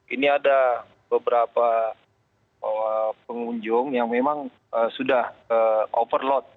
ini ada beberapa pengunjung yang memang sudah overload